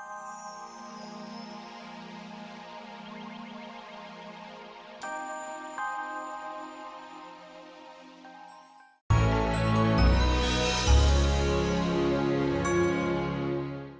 aku belum save nomernya ya